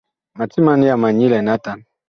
Ma timan yama nyi lɛn atan.